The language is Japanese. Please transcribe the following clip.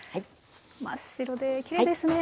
真っ白できれいですね。